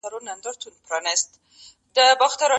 ورځ په خلوت کي تېروي چي تیاره وغوړېږي